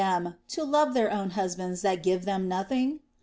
2Λ9 them to love (heir own husbands that give them nothing